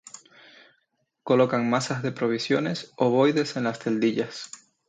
Colocan masas de provisiones ovoides en las celdillas.